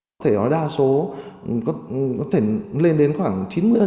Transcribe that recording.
có thể nói đa số có thể lên đến khoảng chín mươi